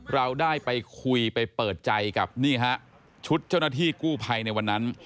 เราได้ไปคุยไปเปิดใจกับนี่ฮะชุดเจ้าหน้าที่กู้ภัยในวันนั้น